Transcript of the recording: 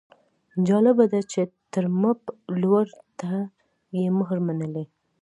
جالبه ده چې د ټرمپ لور ته یې مهر منلی.